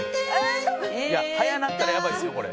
「速なったらやばいですよこれ」